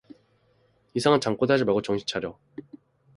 이상한 잠꼬대 하지 말고 정신차려.